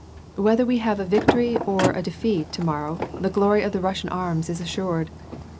" Whether we have a victory or a defeat to morrow, the glory of the Russian arms is assured.